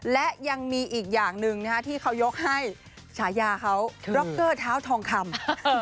และยังมีอีกอย่างหนึ่งที่เขายกให้ฉายาเขาร็อกเกอร์เท้าทองคำ